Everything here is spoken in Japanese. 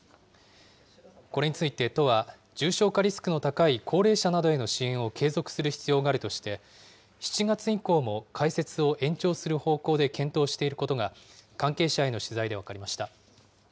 これについて都は、重症化リスクの高い高齢者などへの支援を継続する必要があるとして、７月以降も開設を延長する方向で検討していることが、関係者への取材で分かりました。